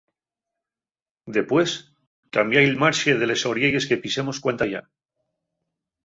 Depués, cambiái'l marxe de les orielles que pisemos cuantayá.